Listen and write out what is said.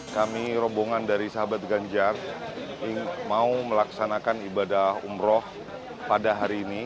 kami rombongan dari sahabat ganjar mau melaksanakan ibadah umroh pada hari ini